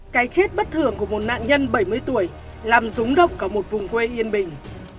cái chết bất thường của một nạn nhân bảy mươi tuổi làm rúng động cả một vùng quê yên bình